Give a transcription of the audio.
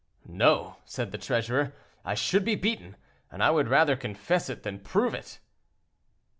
"No," said the treasurer, "I should be beaten, and I would rather confess it than prove it."